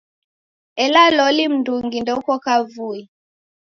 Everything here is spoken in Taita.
Ela loli mndungi ndeuko kavui?